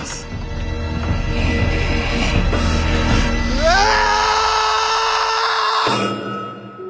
うわあ！